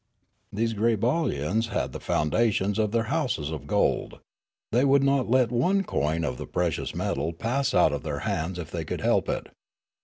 "These Grabawlians had the foundations of their houses of gold. They would not let one coin of the precious metal pass out of their hands if they could help it.